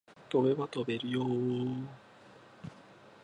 飛べば飛べるよ